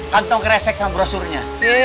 kantong kresek sama brosurnya